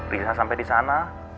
risa sampai disana